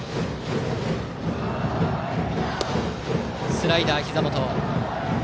スライダー、ひざ元。